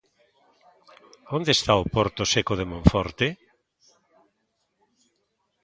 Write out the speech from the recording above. ¿Onde está o porto seco de Monforte?